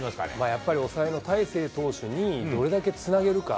やっぱり抑えの大勢投手にどれだけつなげるか。